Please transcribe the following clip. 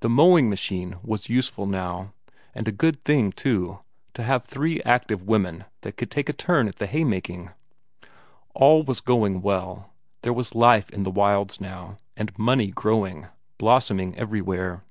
The mowing machine was useful now; and a good thing, too, to have three active women that could take a turn at the haymaking. All going well; there was life in the wilds now, and money growing, blossoming everywhere.